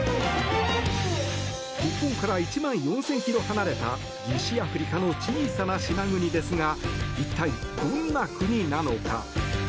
日本から１万４０００ｋｍ離れた西アフリカの小さな島国ですが一体、どんな国なのか？